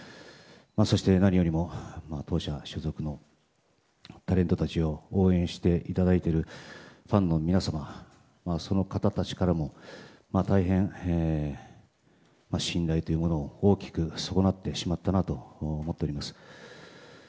そして、何よりも当社所属のタレントたちを応援していただいているファンの皆様その方たちからも大変信頼というものを大きく損なってしまったなと思っております。